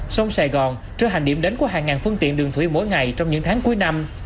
sông sài gòn trở hành điểm đến của hàng ngàn phương tiện đường thủy mỗi ngày trong những tháng cuối năm